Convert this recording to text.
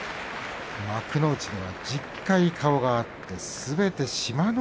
幕内では１０回顔が合ってすべて志摩ノ